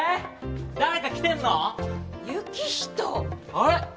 あれ？